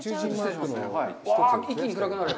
わあ、一気に暗くなる。